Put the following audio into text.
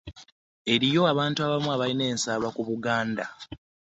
Eriyo abantu abamu abalina ensaalwa ku Buganda.